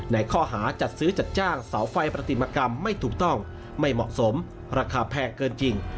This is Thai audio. ในข้อหาจัดซื้อจัดจ้างเสาไฟปฏิมกรรมไม่ถูกต้องไม่เหมาะสมราคาแพงเกินจริง